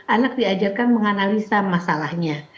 anak diajarkan menganalisa masalahnya